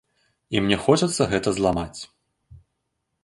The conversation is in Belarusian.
І мне хочацца гэта зламаць.